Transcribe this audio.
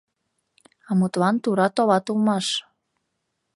— А мутлан тура толат улмаш.